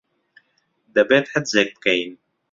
دەبێت حجزێک بکەیت.